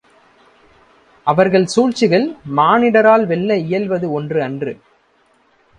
அவர்கள் சூழ்ச்சிகள் மானிடரால் வெல்ல இயல்வது ஒன்று அன்று.